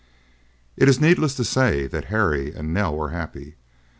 It is needless to say that Harry and Nell were happy.